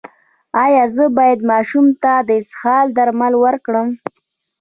ایا زه باید ماشوم ته د اسهال درمل ورکړم؟